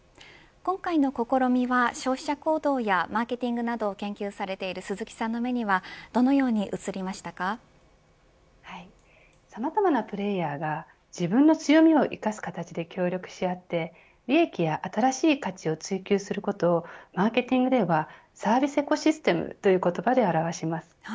今回の試みは消費者行動やマーケティングなどを研究されている鈴木さんの目にはさまざまなプレーヤーが自分の強みを生かす形で協力し合って利益や新しい価値を追求することをマーケティングではサービス・エコシステムという言葉で表します。